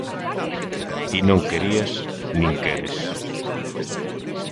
Ti non querías, nin queres.